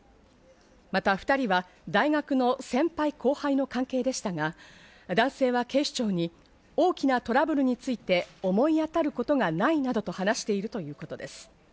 また２人は大学の先輩後輩の関係でしたが男性は警視庁に大きなトラブルについて思い当たることがないなどと話しているということです。